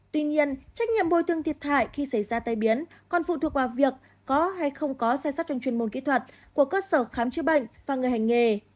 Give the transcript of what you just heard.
tuy nhiên trách nhiệm bồi thường thiệt hại khi xảy ra tai biến còn phụ thuộc vào việc có hay không có sai sát trong chuyên môn kỹ thuật của cơ sở khám chứa bệnh và người hành mê